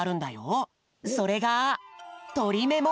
それがとりメモ。